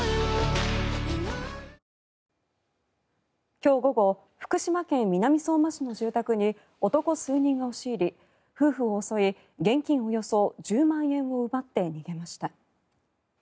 今日午後福島県南相馬市の住宅に男数人が押し入り夫婦を襲い現金およそ１０万円を奪って逃げました。